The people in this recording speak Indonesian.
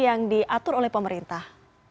yang diatur oleh pemerintah